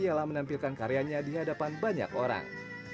ialah menampilkan karyanya di hadapan banyak orang